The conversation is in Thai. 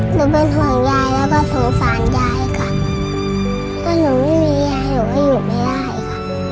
หนูเป็นห่วงยายแล้วก็สงสารยายค่ะถ้าหนูไม่มียายหนูก็อยู่ไม่ได้ค่ะ